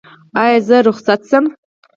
ایا زه رخصت شم؟